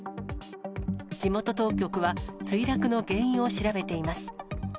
地元当局は、墜落の原因を調べています。